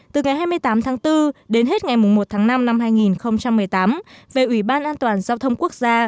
từ ngày hai mươi tám tháng bốn đến hết ngày một tháng năm năm hai nghìn một mươi tám về ủy ban an toàn giao thông quốc gia